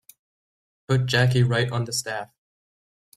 Put Jackie right on the staff.